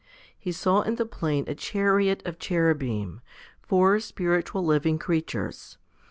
He saw in the plain a chariot of Cherubim, four spiritual living creatures.